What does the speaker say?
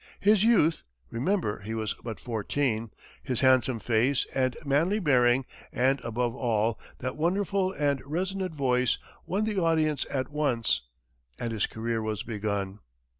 His youth remember, he was but fourteen his handsome face and manly bearing, and, above all, that wonderful and resonant voice, won the audience at once, and his career was begun.